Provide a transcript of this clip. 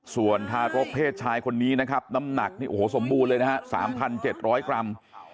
ส่วนทารกเพศชายคนนี้นะครับน้ำหนักนี่โอ้โหสมบูรณ์เลยนะฮะ๓๗๐๐กรัม